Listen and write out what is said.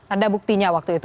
ada buktinya waktu itu